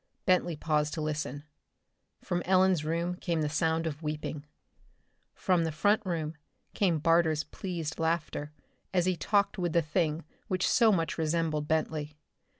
Bentley paused to listen. From Ellen's room came the sound of weeping. From the front room came Barter's pleased laughter as he talked with the thing which so much resembled Bentley.